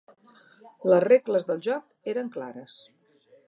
Les regles del joc eren clares.